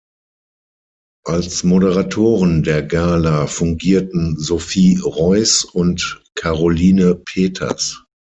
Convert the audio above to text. Als Moderatoren der Gala fungierten Sophie Rois und Caroline Peters.